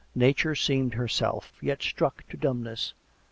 Nature seemed herself, yet struck to dumbness.